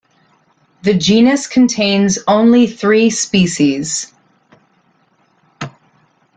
This genus contains only three species.